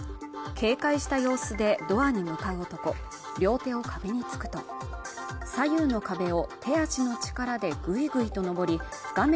警戒した様子でドアに向かう男両手を壁につくと左右の壁を手足の力でぐいぐいと上り画面